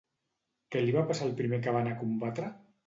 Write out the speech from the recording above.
Què li va passar al primer que va anar a combatre?